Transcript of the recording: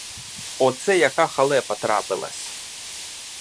Оце яка халепа трапилась!